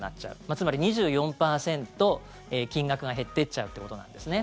つまり２４％、金額が減ってっちゃうっていうことなんですね。